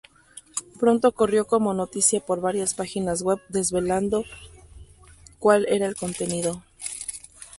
Pronto corrió como noticia por varias páginas web desvelando cual era el contenido.